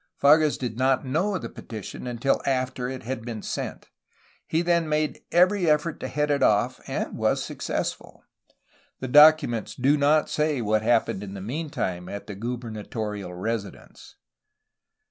Fages did not know of the petition until after it had been sent. He then made every effort to head it off, and was successful. The documents do not say what happened in the meantime at the gubernatorial residence.